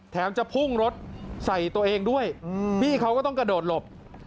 จะพุ่งรถใส่ตัวเองด้วยพี่เขาก็ต้องกระโดดหลบ